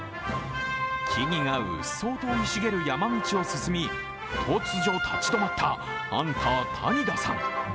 木々がうっそうと生い茂る山道を進み突如立ち止まったハンター・谷田さん。